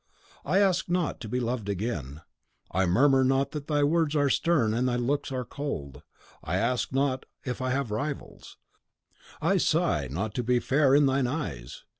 I ask not to be loved again. I murmur not that thy words are stern and thy looks are cold. I ask not if I have rivals; I sigh not to be fair in thine eyes.